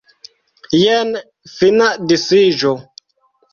Jen fina disiĝo.